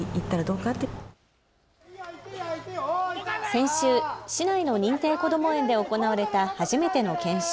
先週、市内の認定こども園で行われた初めての研修。